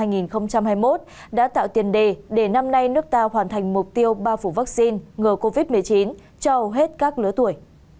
năm hai nghìn hai mươi một đã tạo tiền đề để năm nay nước ta hoàn thành mục tiêu bao phủ vaccine ngừa covid một mươi chín cho hầu hết các lứa tuổi